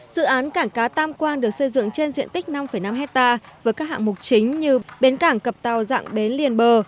dự án cảng cá tam quang được xây dựng trên diện tích năm năm hectare với các hạng mục chính như bến cảng cập tàu dạng bến liền bờ